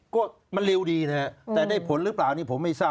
ก็มันเร็วดีนะฮะแต่ได้ผลหรือเปล่านี่ผมไม่ทราบ